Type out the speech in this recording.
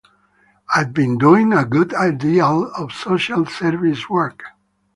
I've been doing a good deal of social-service work.